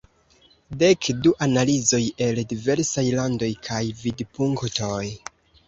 Dek du analizoj el diversaj landoj kaj vidpunktoj".